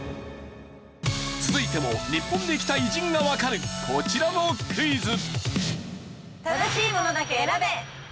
続いても日本に来た偉人がわかるこちらのクイズ。